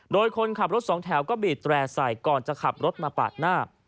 โดยคนขับรถสองแถวก็บีดแร่ใส่ก่อนจะขับรถมาปาดหน้า